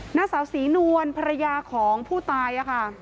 หน้าสาวศรีนวลภรรยาของผู้ตายค่ะ